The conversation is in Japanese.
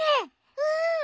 うん。